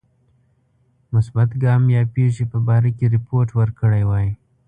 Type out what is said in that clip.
مثبت ګام یا پیښی په باره کې رپوت ورکړی وای.